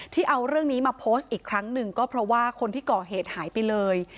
ที่เอาเรื่องนี้มาโพสต์อีกครั้งหนึ่งก็เพราะว่าคนที่ก่อเหตุหายไปเลย